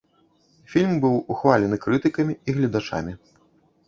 Фільм быў ухвалены крытыкамі і гледачамі.